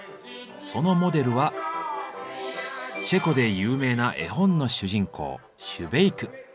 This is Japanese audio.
そのモデルはチェコで有名な絵本の主人公シュベイク。